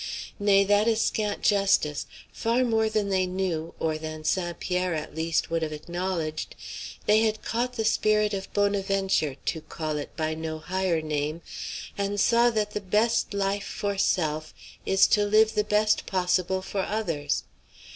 Nay, that is scant justice; far more than they knew, or than St. Pierre, at least, would have acknowledged, they had caught the spirit of Bonaventure, to call it by no higher name, and saw that the best life for self is to live the best possible for others.